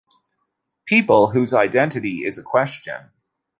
People whose identity is a question.